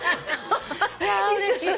いやうれしい。